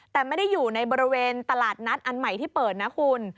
แต่ไม่ได้อยู่ในบริเวณตลาดนัดอันใหม่ที่เปิดนะคุณ